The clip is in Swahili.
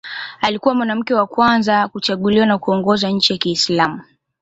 Alikuwa mwanamke wa kwanza kuchaguliwa na kuongoza nchi ya Kiislamu.